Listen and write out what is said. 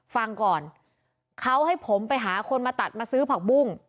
ฟังก่อนเขาให้ผมไปหาคนมาตัดมาซื้อผักบุ้ง